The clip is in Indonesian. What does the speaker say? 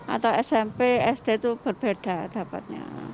atau smp sd itu berbeda dapatnya